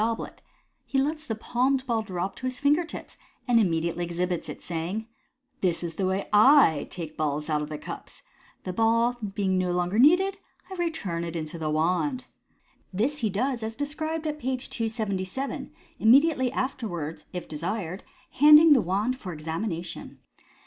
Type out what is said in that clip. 281 goblet, he lets the palmed ball drop to his finger tips, and immediately exhibits it, saying —" This is the way / take the balls out of the cups. The ball being no longer needed, I return it into the wand.'* This he does as described at page 277, immediately afterwards, if desired, handing the wand for examination.